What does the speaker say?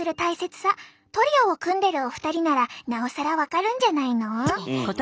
トリオを組んでるお二人ならなおさら分かるんじゃないの？